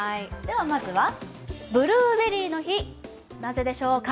まずはブルーベリーの日、なぜでしょうか？